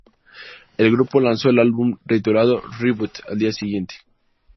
El grupo lanzó el álbum, titulado "Reboot" al día siguiente.